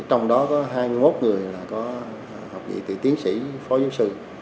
trong đó có hai mươi một người có học dị từ tiến sĩ phó giáo sư